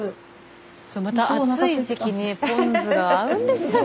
スタジオまた暑い時期にポン酢が合うんですよね。